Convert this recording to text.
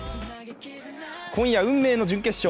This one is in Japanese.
今夜、運命の準決勝。